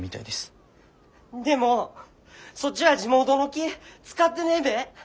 んでもそっちは地元の木使ってねえべ？